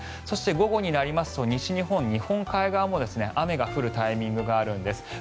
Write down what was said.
そして、午後になりますと西日本、日本海側も雨が降るタイミングがあるんです。